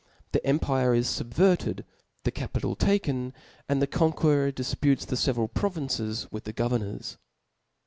The empire is fubverted, the capital taken, and the conqueror difputes the feveral pro vinces with the governors.